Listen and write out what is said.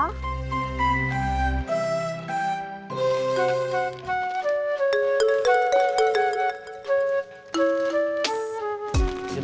kita bisa beli harga